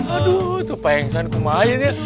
aduh tuh pengsan kumain ya